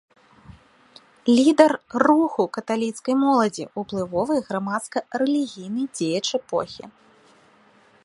Лідар руху каталіцкай моладзі, уплывовы грамадска-рэлігійны дзеяч эпохі.